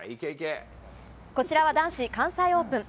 こちらは男子関西オープン。